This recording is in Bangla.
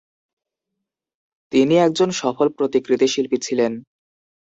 তিনি একজন সফল প্রতিকৃতি শিল্পী ছিলেন।